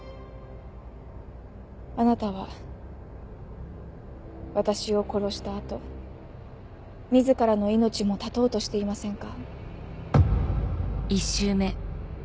あなたは私を殺した後自らの命も絶とうとしていませんか？